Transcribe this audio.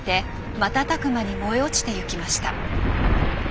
瞬く間に燃え落ちてゆきました。